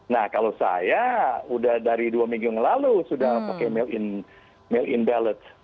nah kalau saya udah dari dua minggu yang lalu sudah pakai mail in ballot